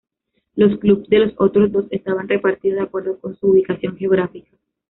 Los clubes de los otros dos estaban repartidos de acuerdo con su ubicación geográfica.